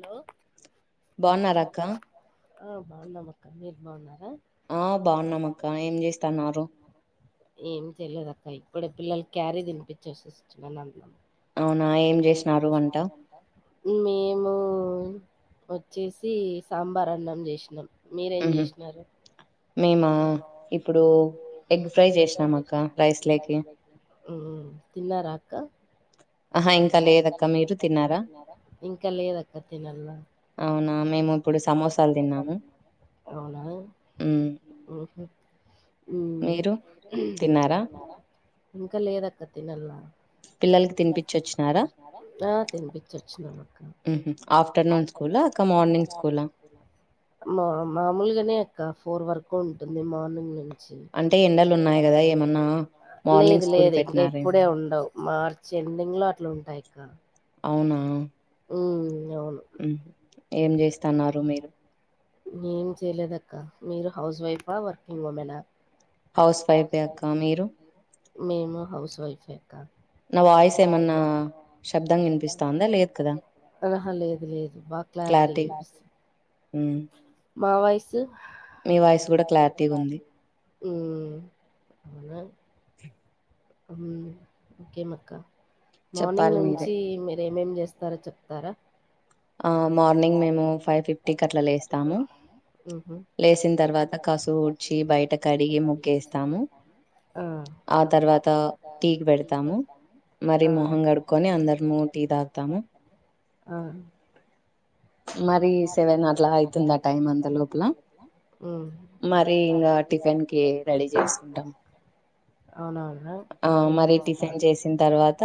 Hello బావున్నారా అక్క ఆ బావున్నాం అక్క మీరు బావున్నారా ఆ బావున్నాం అక్క ఏం చేస్తన్నారు ఏం చేయలేదక్క ఇప్పుడే పిల్లలకి క్యారీ తినిపిచ్చేసి వస్తున్న అన్నం మే ము వచ్చేసి సాంబార్ అన్నం చేసినాం. మీరేం చేసినారు? మేము ఇప్పుడు ఎగ్ ఫ్రై చేసినం అక్క రైస్ లోకి ఊమ్ తిన్నారా అక్క ఆహ ఇంకా లేదక్క మీరు తిన్నారా అవునా మేము ఇప్పుడు సమోసాలు తిన్నాము అవునా ఉహూ ఉ ఇంకా లేదక్క తినల్ల పిల్లలకి తినీపించి వచ్చిన ఆ తినిపించి వచినా నక్క మాములుగానే అక్క ఫోర్ వరకు ఉంటుంది మార్నింగ్ నుం లేదు లేదు ఇంకా ఇప్పుడే ఉండవు మా చెడింగ్ లో అట్లుంటాయి ఆక్క అవునా ఉ ఏం చేస్తతన్నారు మీరు ఏం చేయలేదక్క మీరు హౌస్ వైఫా వర్కింగ్ ఉమెనా హౌస్ వైఫెక్క మీరు మేము హౌస్ వైఫే నా వాయిస్ ఏమన్నా శబ్దంగా వినిపిస్తాందా లే ఆహ లేదు లేదు బాగా క్లారిటీ వినిపిస్తూ ఉ మా వాయిసు మీ వాయిస్ కూడా క్లారిటీగా ఉమ్ అవునా ఉమ్ ఇంకేమక్క మార్నింగ్ నుంచి మీరే ఎమోమ్ చేస్తారో చెప్తారా ఆ మార్నింగ్ మేము ఫైవ్ ఫిఫ్టీ కట్ల లేస్తాము లేసిన తర్వాత కాసువు కసువు ఊడ్చి బయట కడిగి ముగ్గేస్తాం ఆ తర్వాత ముగ్గేస్తాం మొహం కడుక్కొని ఎంబటే మరి సెవెన్ అట్ల ఐతుంది మరి పేన్ కే రెడీ చేసుకుంటాం ఆ మరి టిఫిన్ చేసిన తర్వాత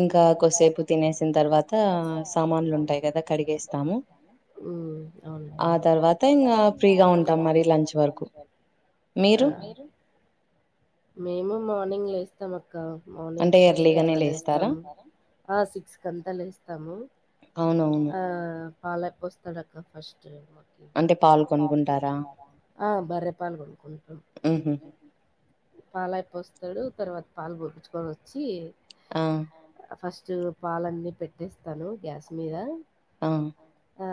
ఇంకా కొ కోసేపు తినేసిన తర్వాత సామాన్లు ఉంటాయి కదా కడిగేస్తాము ఉ ఆ తర్వాత ఇంకా ఫ్రీగా ఉంటాం మరి లంచ్ వరకు ఆ మేము మార్నింగ్ లేస్ స్తాం అక్క మార్నింగ్ సిక్స్ కట్లా లేస్తాము ఆ సిక్స్ కంతా లేస్తాము అవునవును పాలైపోస్తాడక్క ఫస్ట్ ఆ బర్రె పాలు కొనుకుంటాం ఉహు పాల అయిపోస్తాడు తర్వాత పాలు పొపుచుకొని వచ్చి ఫస్ట్ స్ట్ పాలన్ని పెట్టేస్తాను గ్యాస్ మీద ఆ ఆ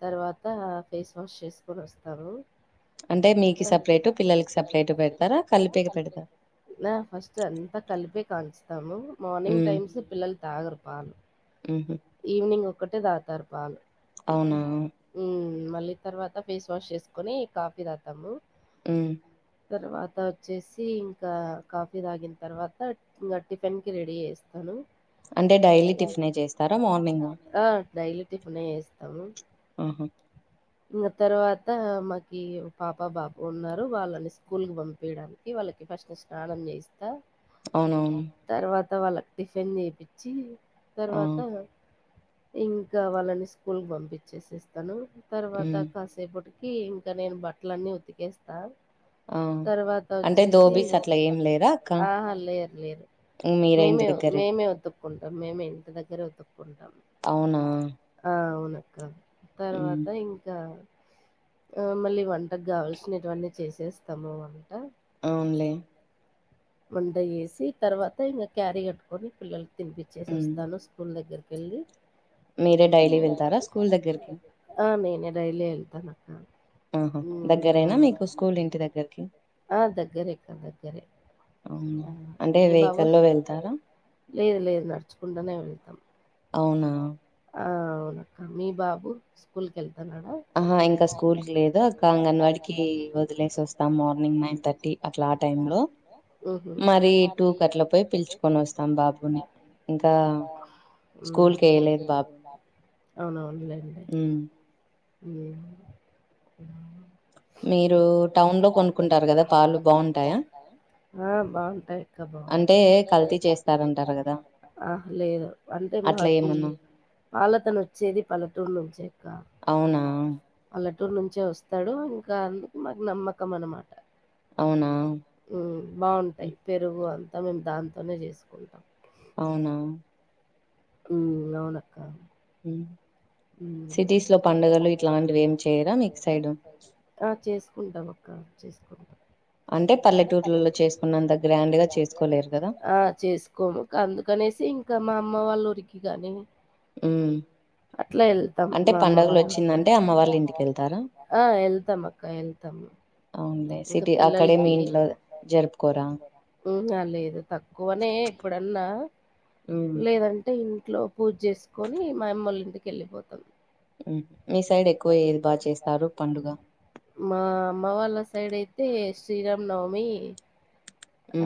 తర్వాత ఫేస్ వాష్ చేసుకొని వస్తారు ఆ ఫస్ట్ అంత కలిపే కానిస్తాము మార్నింగ్ టైమ్స్ పిల్లలు తాగరు పాలు ఉహు ఈవినింగ్ ఒక్కటే తాగుతారు పాలు ఉమ్ మళ్ళీ తర్వాత ఫేస్ వాష్ చేసుకోని కాఫీ తాతాము ఉ తర్వాత వచ్చేసి ఇంకా కాఫీ తాగిన తర్వాత ఇంకా టిఫిన్కి రెడీ చేస్తాను అంటే డైలీ టిఫినే చేస్తారా మో ఆ డైలీ టిఫినే చేస్తాము ఇ తర్వాత మాకి పాప బాబు ఉన్నారు వాళ్ళని స్కూల్కి పంపయడానికి వాళ్ళ లకి స్నానం చేయిస్త అవునవును త వాళ్ళకి టిఫిన్ చేపిచ్చి తర్వాత ఇంకా వాళ్ళని స్కూల్ కు పంపించేసేస్తాను తర్వాత కాసేపటి కి ఇంకా నేను బట్టల అన్నీ ఉతికేస్తా తర్వాత వచ్చేసి ఆహ లేరు లేరు మేమే మేమే వుతుక్కుంటాం మేమే ఇంత దగ్గరే వుదుక్కుంటాం అవునా అవునక్క తర్వాత ఇంకా ఆ మళ్ళీ వంటకు కావాల్సినేటివన్నీ చేసేస్తాము మ కొంత వేసి తర్వాత ఇంకా క్యారీ కట్టుకొని పిల్లకి తినిపచ్చేసి వస్తాను స్కూల్ దగ్గరకి వెళ్ళి మీరే డైలీ వెళ్తారా స్కూల్ దగ్గరికి డైలీ వెళ్తానక్క ఆహా దగ్గరైనా మీకు స్కూల్ ఇంటి దగ్గరకి ఆ దగ్గరేక్క దగ్గరే ఆ మీ బాబు లేదు లేదు నడుచుకుండానే వెళ్తాం అవునా అవునక్క మీ బాబు స్కూల్కి వెళ్తున్నాడా ఆహా ఇంకా స్కూల్కి లేదు అక్క అంగన్వాడికి వదిలేసి వస్తాం మార్నింగ్ నైన్ థర్టీ అట్లా ఆ టైం మ్లో మరి టూ కట్ల పోయి పిల్చుకొని వస్తాం బాబుని ఇంకా అవునవులేన్డి లే మీరు టౌన్ లో కొనుకున్నారు కదా పాలు బాగుంటాయా ఆ బాగుంటయక్క అంటే కల్తీ చేస్తుంటా కదా ఆ లేదు అంటే మాక్ ఉమ్ పాలతను వచ్చేది పల్లెటూరు నుంచే అక్క పల్లటూ టూరు నుంచే వస్తాడు ఇంకా అందుకు మాకు నమ్మకం అనమాట బాగుంటాయి పెరుగు అంతా మేము దాంతోనే చేసుకుంటాం అవునా ఉమ్ అనునక్క ఆ చేసుకుంటాంమక్కా చేసుకుంటాం అంటే చేసుకోము అందుకనేసి ఇంకా మా అమ్మ వాళ్ళురికి గానీ అట్లా వెళ్తాం మా అమ్మగారి ఆ వెళ్తాం అక్క వెళ్తాము లే సిటీ అక్కడే మీ ఇంట్లో జరుపుకోరా ఉహ లేదు తక్కువనే ఇప్పుడన్నా లేదంటే ఇ ట్లో పూజ చేసుకొని మాయమ్మోల్ల ఇంటికి వెళ్ళిపోతాం ఉమ్ మా అమ్మ వాళ్ళ సైడ్ అయితే శ్రీరామ్నవమమి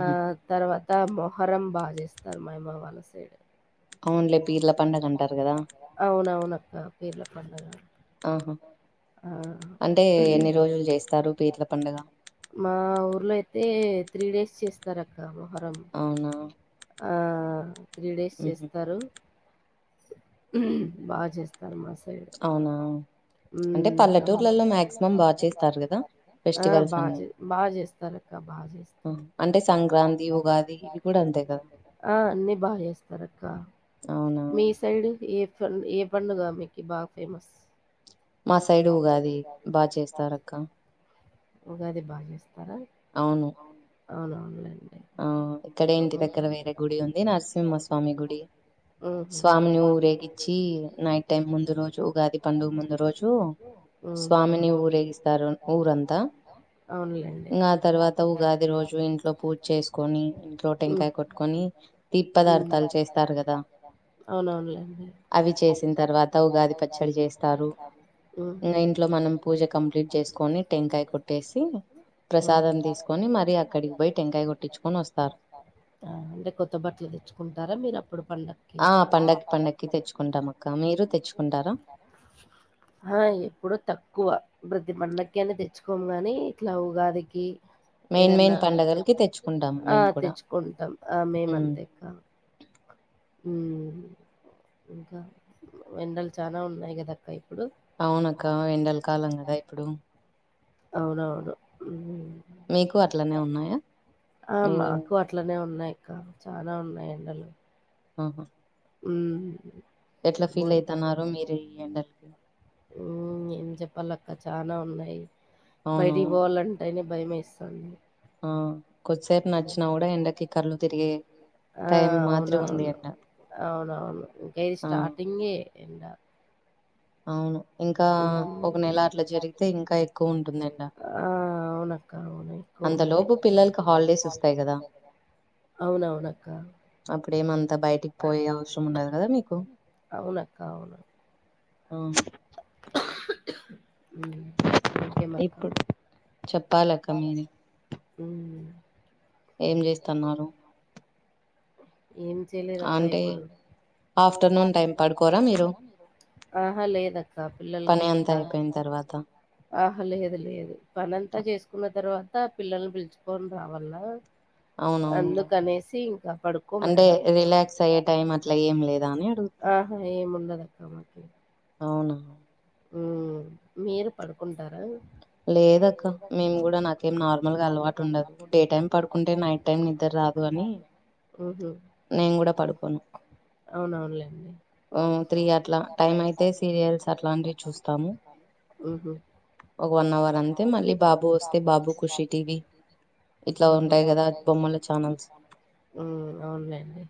ఆ తర్వాత త మొహరం బాగా చేస్తారు మా అమ్మ వాళ్ళ సైడ్ అవునులే పీర్ల పండగా అంటారు కదా పీర్ల పండగా ఆహా అంటే ఎన్ని రోజులు జేస్తారు పీర్ల పండుగ తే త్రీ డేస్ చేస్తారక్క అవునా! ఆ త్రీ డేస్ చేస్తారు బాగా చేస్తారు. [unintelligible] మా సైడ్ ఉమ్ ఆ బాగా బాగా జేస్తారు. ఆ అంటే సంక్రాంతి ఉగాది ఇవి కూడా అంతే ఆ అన్ని బాగా చేస్తారక్క మీ సైడ్ ఏ ఏ పండుగ మీకి బాగా ఫేమస్ మా సైడు ఉగాది బాగా చేస్తారు అక్క ఉగాది బాగా జేస్తారా అవునవును లేండి ఆ ఇక్కడే ఇంటి దగ్గర వేరే గుడి ఉంది. నరసింహస్వామి గుడి స్వామిని ఊరేగిచ్చి, నైట్ టైమ్ ముందు రోజు ఉగాది పండుగ ముందు రోజు స్వామిని ఊరేగిస్తారు. ఊరంతా ఆ తర్వాత ఉగాది రోజు ఇంట్లో పూజ చేసుకొని ఇంట్లో టెంకాయ కొట్టుకొని తీపి పదార్థాలు చేస్తారు గదా అవునవునులేండి అవి చేసిన తర్వాత ఉగాది పచ్చడ చేస్తారు ఇంట్లో మనం పూజ కంప్లీట్ చేసుకొని టెంకాయ కొట్టేసి ప్రసాదం తీసుకొని మరి అక్కడికి పోయి టెంకాయ కొ ట్టించుకొని వస్తారు. ఆ అంటే కొత్త బట్టలు దెచ్చుకుంటారా మీరు అప్పుడు ఆ పండక్కి పండక్కి తెచ్చుకుంటామక్క ఆ ఎప్పుడో తక్కువ ప్రతి పండకి అనే దెచ్చుకోము గాని ఇట్లా ఉగాదికి ఏదన్నా ఆ తెచ్చు కుంటాం ఆ మేము అంతేక్కా ఉమ్ ఇంకా ఎండలు చానా ఉన్నాయి గదక్క అవునక్క ఎండల కాలం గదా ఇప్పుడు అవునవును ఉమ్ ఆ మాకు అట్లనే ఉన్నాయి ఇంకా చానా ఉన్నాయి ఎండలు హుహు ఉమ్ ఉమ్ ఏం జె ప్పాలక్క చానా ఉన్నాయి బయటికి బోవాలంటేనే భయం యేస్తుంది ఆ కొద్దిసేపు నడ్చినా గూడా ఎండకి కళ్ళు తిరిగే టైం మాదిరి ఉంది ఎండ అవునవును ఇంకా ఇది స్టార్టింగే ఎండ అవును ఇంకా ఒక నెల అట్లా జరిగితే ఇంకా ఎక్కువ ఉంటుంది ఎండా అంతలోపు పిల్లలకి హాలిడేస్ వస్తాయి గదా అప్పుడేమంతా బయటికి పోయే అవసరం ఉండదు గదా మీకు అవునక్క అవును అవును ఉమ్ ఊకే [inaudible] మాత్త పాలక్క మీవి ఉమ్ ఏం జేస్తున్నారు? ఏం చేయలేదక్క ఇప్పుడు ఆహా లేదక్క పిల్లలకి ఇంకా ఆహా లేదు లేదు పనంతా చేసుకున్న తర్వాత పిల్లల్ని పిలుచుకోని రావల్ల అందుకనేసి ఇంకా పడుకోం యాడ ఆహా ఏముండదక్క మాకి అవున ఉ మీరు పడుకుంటారా లేదక్క మేము కూడా నాకేం నార్మల్గా అలవాటు ఉండదు డే టైమ్ పడుకుంటే నైట్ టైం నిద్దరు ఊహు నేను గూడా పడుకోను అవునవును లేండి ఊహు ఒక వన్ అవర్ అంతే మళ్ళీ బాబు వస్తే బాబు ఖుషి టీవీ ఉ అవున్ లేండి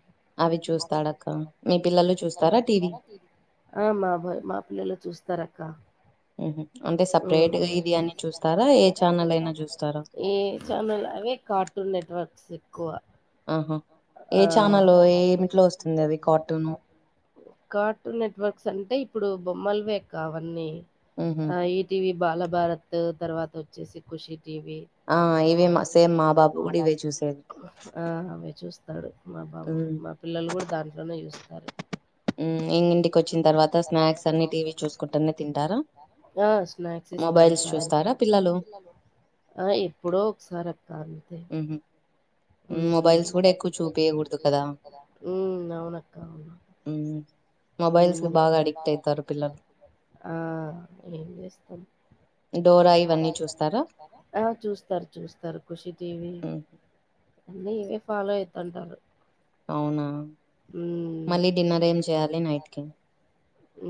అవి చూస్తాడక్క మీ పిల్లలు చూస్తారా టీవీ ఆ మా బాయ్ మా పిల్లలు చూస్తారక్క ఉ ఏ చానేల్ అవి కార్టూన్ నెట్ వర్క్సే ఆహా ఏ ఛానల్ ఏమిట్లో వస్తుంది అది కార్టూను కార్టూన్ నెట్వర్క్స్ అంటే ఇప్పుడు బొమ్మలువే అక్క అవన్నీ ఆ ఈటివీ బాలభారత్ తర్వాత వచ్చేసి ఖుషి టీవి ఆ అవే చూస్ మా బాబు మా పిల్లలు కూడా దాంట్లోనే చూస్తారు ఉ ఇంగ్ ఇంటికి వచ్చిన తర్వాత స్నాక్స్ అన్ని టీవీ చూసుకుంటూనే తింటారు అహ ఎప్పుడో ఒకసారి అక్కా ఆహ ఉమ్ అవునక్క ఊ మ్ఆ ఏం జేస్తాం ఆ చూస్తారు చూస్తారు ఖుషి టీవీ అన్నీ ఇవే ఫాలో అయితంటారు అవునా ఉమ్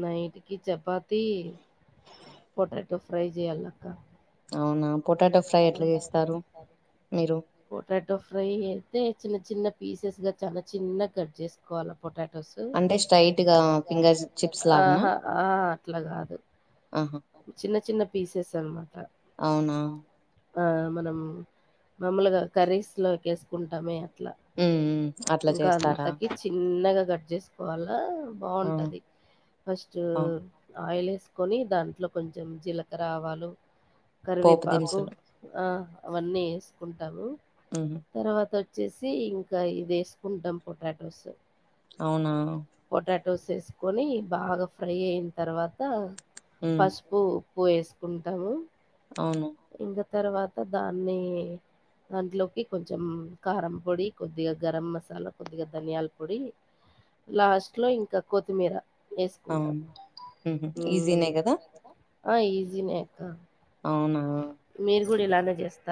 నైటికి చపా త్ పొటాటో ఫ్రై జేయల్ల పొటాటో ఫ్రై అయితే చిన్న చిన్న పీసెస్ గా చాలా చిన్నగ్ కట్ చేసుకోల్ల పొటాటోసు ఆహా ఆ అట్ల గాదు చిన్న చిన్న పీసెస్ అనమాట ఆ మనం మాముూలుగా కర్రీస్ లోకి ఏసుకుంటామే అట్లా ఇంకా అంతకి చిన్నగా కట్ కట్ జేసుకోవల్ల బాంటది ఫస్ట్ ఆయిలే ఏసుకొని దాంట్లో కొంచెం జీలకర ఆవాలు కరివేపాకు ఆ అవన్నీ వేసుకుంటాము తర్వాత వొ వచ్చేసి ఇంకా ఇది వేసుకుంటాం పొటాటోస్ అవునా పొటాటోస్ ఏసుకొని బాగా ఫ్రై అయిన తర్వాత పసుపు ఉప్పు ఏసుకుంటాము అవును తర్వాత దాన్ని దాంట్లోకి కొంచెం కారం పొడి కొద్దిగా గరం మసాలా కొద్దిగా ధనియాల పొడి లాస్ట్ లో ఇంకా కొత్తిమీర ఏసుకుంటాం ఊ ఆ ఈజీనే అక్కా అవునా మీరు కూడా ఇలానే చేస్తారు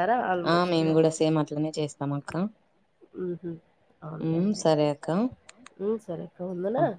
ఆ మేము కూడా సేమ్ అట్లనే చేస్తాం అక్క ఉహ అవున్లండి సరే ఎక్క్క ఉందనా అ